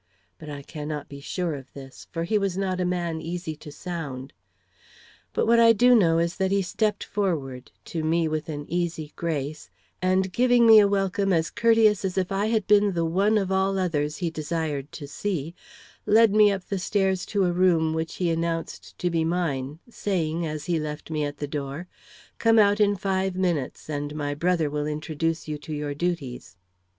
But I cannot be sure of this, for he was not a man easy to sound. But what I do know is that he stepped forward, to me with an easy grace, and giving me a welcome as courteous as if I had been the one of all others he desired to see, led me up the stairs to a room which he announced to be mine, saying, as he left me at the door: "Come out in five minutes, and my brother will introduce you to your duties."